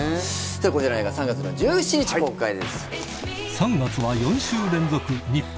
こちらの映画３月１７日公開です。